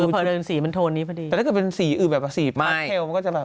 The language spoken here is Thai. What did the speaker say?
แต่ถ้าเป็นสีอื่นแบบสีพลาสเทล